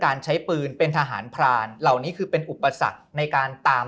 การใช้ปืนเป็นทหารพรานเหล่านี้คือเป็นอุปสรรคในการตาม